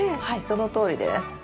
はいそのとおりです。